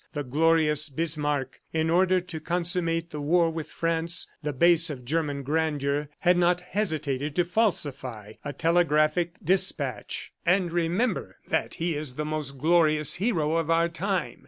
The glorious Bismarck, in order to consummate the war with France, the base of German grandeur, had not hesitated to falsify a telegraphic despatch. "And remember, that he is the most glorious hero of our time!